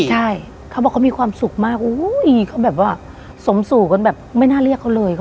ใช่เขาบอกเขามีความสุขมากอุ้ยเขาแบบว่าสมสู่กันแบบไม่น่าเรียกเขาเลย